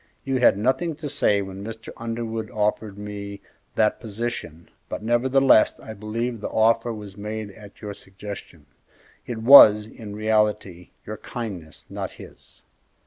You had nothing to say when Mr. Underwood offered me that position, but, nevertheless, I believe the offer was made at your suggestion. It was, in reality, your kindness, not his."